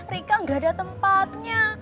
rika nggak ada tempatnya